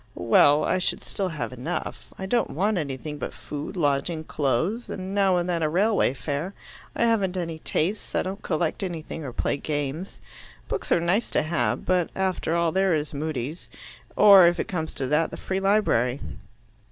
Well, I should still have enough. I don't want anything but food, lodging, clothes, and now and then a railway fare. I haven't any tastes. I don't collect anything or play games. Books are nice to have, but after all there is Mudie's, or if it comes to that, the Free Library.